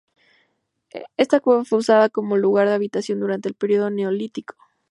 Esta cueva fue usada como lugar de habitación durante el periodo Neolítico.